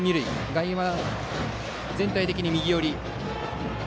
外野、全体的に右寄り。